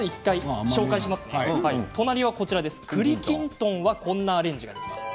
栗きんとんはこんなアレンジができます。